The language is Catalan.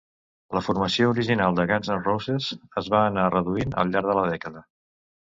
La formació original de Guns N' Roses' es va anar reduint al llarg de la dècada.